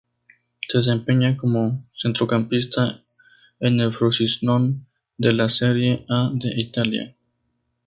Se desempeña como centrocampista en el Frosinone de la Serie A de Italia.